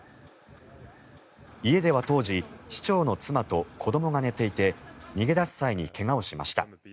家では当時、市長の妻と子どもが寝ていて逃げ出す際に怪我をしました。